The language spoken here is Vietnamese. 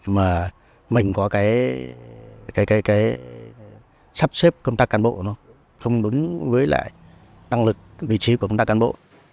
mà mình có cái sắp xếp công tác cán bộ nó không đúng với lại năng lực vị trí của công tác cán bộ